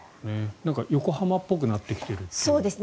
横浜っぽくなってきているっていう。